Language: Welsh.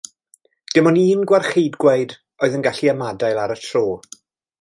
Dim ond un gwarchgeidwad oedd yn gallu ymadael ar y tro.